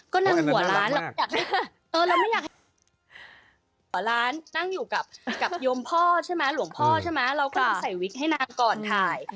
ก็นั่นหัวร้านนั่งอยู่กับหลวงพ่อเราก็นั่งใส่วิกให้น้ำก่อนถ่าย